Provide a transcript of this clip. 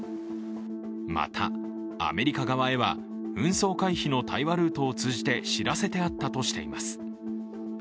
また、アメリカ側へは紛争回避の対話ルートを通じて知らせてあったとしています。